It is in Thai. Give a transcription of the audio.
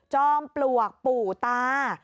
จอมปลวกปู่ตา